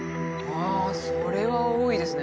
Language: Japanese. それは多いですね。